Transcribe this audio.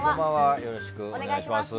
よろしくお願いします。